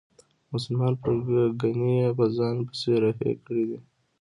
مسلمانې پرګنې یې په ځان پسې رهي کړي دي.